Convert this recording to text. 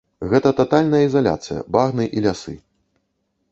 Гэта татальная ізаляцыя, багны і лясы.